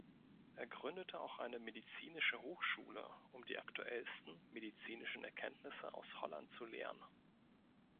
Er gründete auch eine medizinische Hochschule, um die aktuellsten medizinischen Erkenntnisse aus Holland zu lehren.